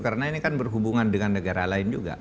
karena ini kan berhubungan dengan negara lain juga